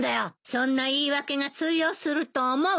そんな言い訳が通用すると思う？